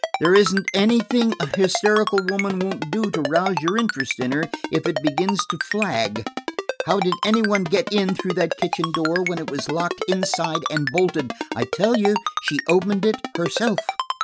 There isn't anything a hysterical woman won't do to rouse your interest in her, if it begins to flag. How did any one get in through that kitchen door, when it was locked inside and bolted? I tell you, she opened it herself."